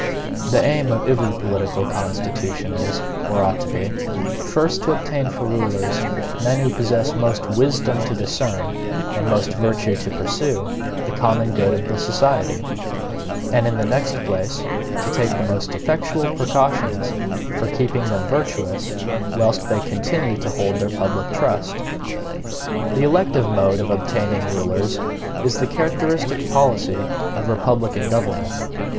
The aim of every political constitution is, or ought to be, first to obtain for rulers men who possess most wisdom to discern, and most virtue to pursue, the common good of the society; and in the next place, to take the most effectual precautions for keeping them virtuous whilst they continue to hold their public trust. The elective mode of obtaining rulers is the characteristic policy of republican government.